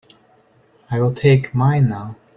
I'll take mine now.